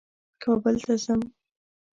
کابل ته ځم.